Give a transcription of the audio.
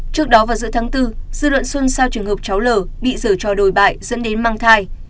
trước đó vào giữa tháng bốn dư luận xuân sau trường hợp cháu l bị dở trò đồi bại dẫn đến mang thai